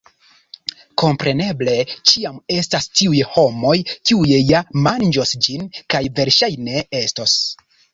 Kompreneble, ĉiam estas tiuj homoj kiuj ja manĝos ĝin kaj versaĵne estos